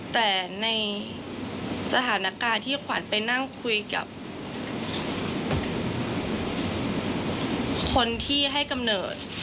แต่ในสถานการณ์ที่ขวัญไปนั่งคุยกับคนที่ให้กำเนิด